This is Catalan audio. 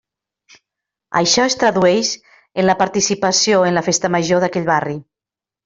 Això es tradueix en la participació en la festa major d'aquell barri.